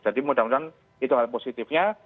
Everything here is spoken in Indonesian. jadi mudah mudahan itu hal positifnya